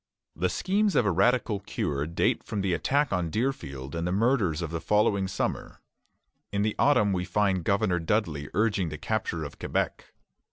The schemes of a radical cure date from the attack on Deerfield and the murders of the following summer. In the autumn we find Governor Dudley urging the capture of Quebec.